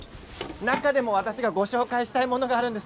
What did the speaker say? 中でも私がご紹介したいものがあるんです。